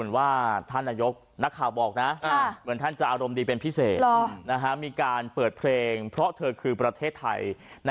พร้อมอยากจะล้อกันได้ไหมอยากให้คนไทยกลับมารักกันเหมือนกัน